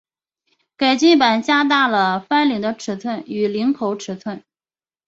改进版加大了翻领的尺寸与领口尺寸。